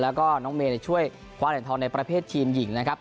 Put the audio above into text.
แล้วก็น้องเมย์ช่วยคว้าเหรียญทองในประเภททีมหญิงนะครับ